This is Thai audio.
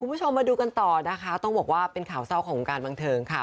คุณผู้ชมมาดูกันต่อนะคะต้องบอกว่าเป็นข่าวเศร้าของวงการบันเทิงค่ะ